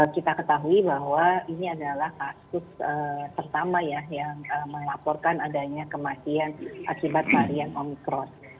kita ketahui bahwa ini adalah kasus pertama ya yang melaporkan adanya kematian akibat varian omikron